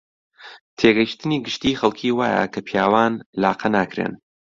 تێگەیشتنی گشتیی خەڵکی وایە کە پیاوان لاقە ناکرێن